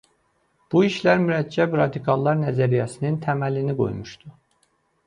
Bu işlər mürəkkəb radikallar nəzəriyyəsinin təməlini qoymuşdu.